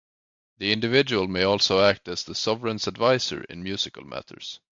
The individual may also act as the Sovereign's adviser in musical matters.